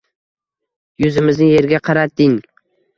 Yuzimizni yerga qaratding